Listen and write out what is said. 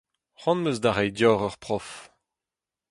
C'hoant am eus da reiñ deoc'h ur prof.